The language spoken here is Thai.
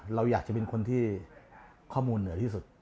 เราอยากจะเป็นคนที่ข้อมูลเหนือที่สุด